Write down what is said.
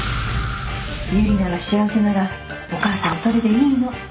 ユリナが幸せならお母さんそれでいいの。